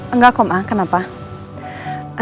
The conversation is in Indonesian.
enggak kok ma kenapa